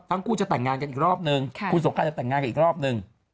ทั้งคู่จะแต่งงานกันอีกรอบนึงคุณสงการจะแต่งงานกันอีกรอบนึง